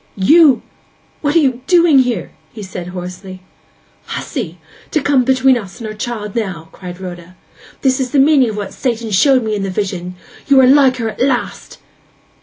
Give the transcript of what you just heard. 'D n you! what are you doing here?' he said hoarsely. 'Hussy—to come between us and our child now!' cried Rhoda. 'This is the meaning of what Satan showed me in the vision! You are like her at last!